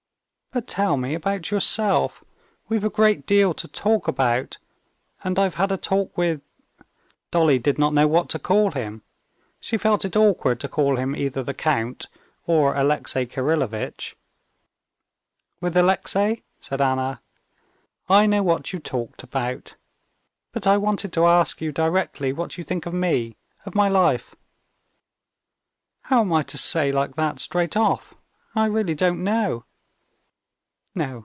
"But tell me about yourself. We've a great deal to talk about. And I've had a talk with...." Dolly did not know what to call him. She felt it awkward to call him either the count or Alexey Kirillovitch. "With Alexey," said Anna, "I know what you talked about. But I wanted to ask you directly what you think of me, of my life?" "How am I to say like that straight off? I really don't know."